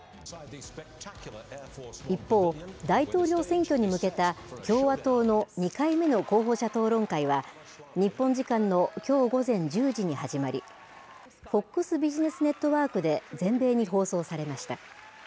一方、大統領選挙に向けた共和党の２回目の候補者討論会は日本時間のきょう午前１０時に始まりＦＯＸビジネスネットワークで全米に放送されました。